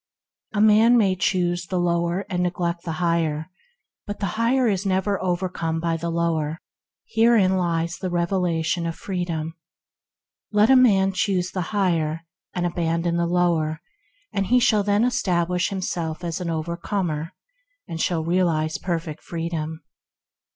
A man may choose the lower and neglect the Higher, but the Higher is never overcome by the lower: herein lies the revelation of Freedom. Let a man choose the Higher and abandon, the lower; he shall then establish himself as an Overcomer, and shall realize Perfect Freedom.